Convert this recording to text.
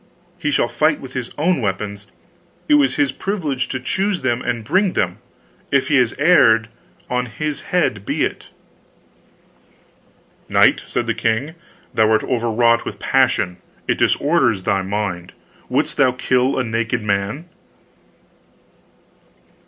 He shall fight with his own weapons; it was his privilege to choose them and bring them. If he has erred, on his head be it." "Knight!" said the king. "Thou'rt overwrought with passion; it disorders thy mind. Wouldst kill a naked man?"